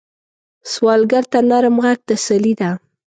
سوالګر ته نرم غږ تسلي ده